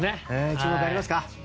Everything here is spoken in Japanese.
注目ありますか？